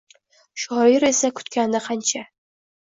Shoir esa kutgandi qancha